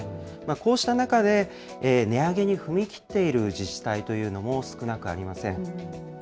こうした中で、値上げに踏み切っている自治体というのも少なくありません。